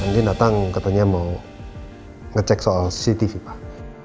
dia datang katanya mau ngecek soal cctv pak